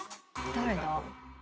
誰だ？